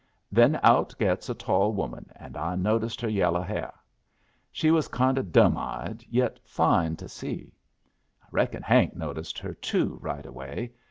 "Then out gets a tall woman, and I noticed her yello' hair. She was kind o' dumb eyed, yet fine to see. I reckon Hank noticed her too, right away.